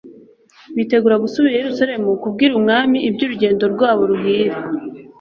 bitegura gusubira i Yerusalemu kubwira umwami iby'urugendo rwa bo ruhire.